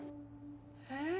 えっ。